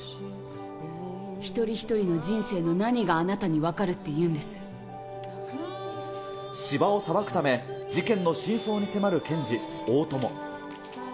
一人一人の人生の何があなた斯波を裁くため、事件の真相に迫る検事、大友。